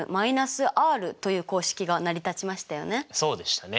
そうでしたね。